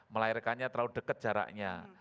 melahirkannya terlalu dekat jaraknya